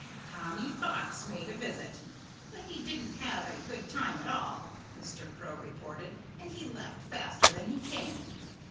"Tommy Fox made a visit. But he didn't have a good time at all," Mr. Crow reported, "and he left faster than he came."